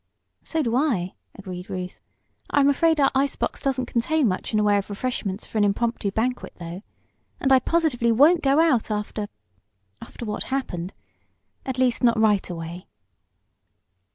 "So do I," agreed Ruth. "I'm afraid our ice box doesn't contain much in the way of refreshments for an impromptu banquet, though, and I positively won't go out after after what happened. At least not right away!"